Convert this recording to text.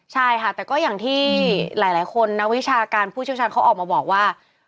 ใช่ค่ะแต่ก็อย่างที่หลายคนนักวิชาการผู้เชี่ยวชาญเขาออกมาบอกว่า